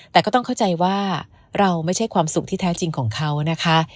แต่ก็ต้องเข้าใจว่าเราไม่ใช่ความสุขที่แท้จริงของเขานะคะ